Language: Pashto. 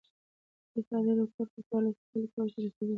اقتصادي رکود په څوارلس کالو کې اوج ته رسېدلی.